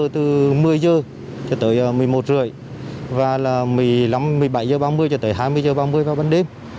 từ một mươi h cho tới một mươi một h ba mươi và một mươi bảy h ba mươi cho tới hai mươi h ba mươi vào ban đêm